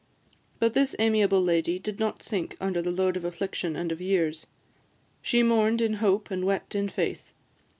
But this amiable lady did not sink under the load of affliction and of years: she mourned in hope, and wept in faith.